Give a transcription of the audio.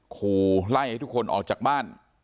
ขู่ไล่ให้ทุกคนออกจากบ้าน